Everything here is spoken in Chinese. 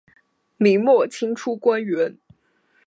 明末清初官员。